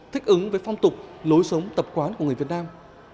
thích ứng với phong tục lối sống tập quán của người việt nam